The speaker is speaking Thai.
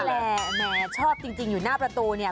แหมชอบจริงอยู่หน้าประตูเนี่ย